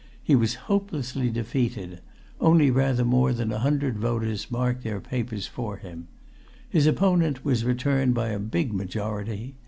He was hopelessly defeated only rather more than a hundred voters marked their papers for him. His opponent was returned by a big majority.